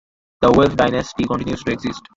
The Welf dynasty continues to exist.